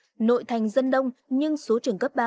hà nội không thiếu trường nhưng phân bổ trường không đồng đều